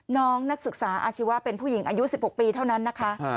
น้องนักศึกษาอาชีวะเป็นผู้หญิงอายุ๑๖ปีเท่านั้นนะคะ